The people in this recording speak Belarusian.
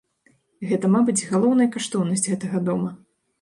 Гэта, мабыць, галоўная каштоўнасць гэтага дома.